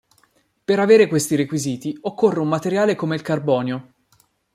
Per avere questi requisiti occorre un materiale come il carbonio.